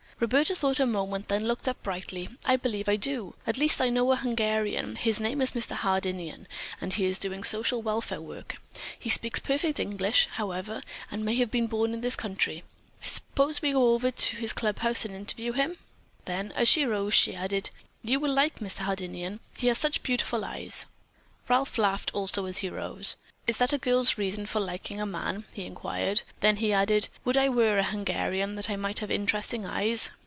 Roberta thought a moment, then looked up brightly. "I believe I do. At least I know a Hungarian. His name is Mr. Hardinian and he is doing social welfare work. He speaks perfect English, however, and may have been born in this country. Suppose we go over to his clubhouse and interview him." Then, as she rose, she added: "You will like Mr. Hardinian. He has such beautiful eyes." Ralph laughed as he also arose. "Is that a girl's reason for liking a man?" he inquired. Then he added, "Would I were a Hungarian that I might have interesting eyes.